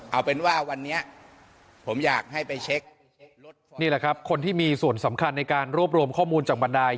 เอาเป็นว่าวันนี้ผมอยากให้ไปเช็คนี่แหละครับคนที่มีส่วนสำคัญในการรวบรวมข้อมูลจากบรรดาย